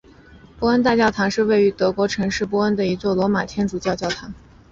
波恩大教堂是位于德国城市波恩的一座罗马天主教教堂。